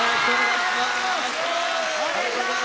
お願いします。